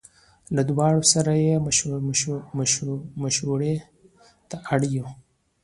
له دواړو سره یې مشوړې ته اړ یو.